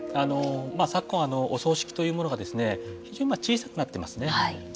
昨今、お葬式というものが非常に小さくなってますね。